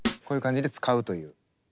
こういう感じで使うという。